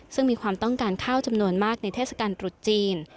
ซึ่งมีความต้องการข้าวจำนวนมากในเทศกาลตรุษจีน